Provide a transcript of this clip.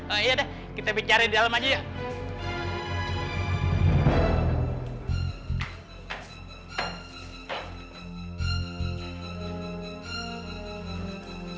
oh iya deh kita bicara di dalam aja ya